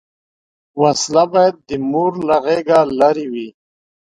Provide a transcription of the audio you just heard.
وسله باید د مور له غېږه لرې وي